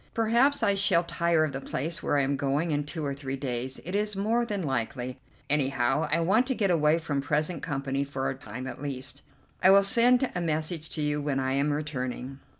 Perhaps I shall tire of the place where I am going in two or three days; it is more than likely. Anyhow, I want to get away from present company for a time at least. I will send a message to you when I am returning.